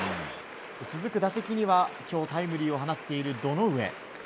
続く打席には今日タイムリーを放っている堂上。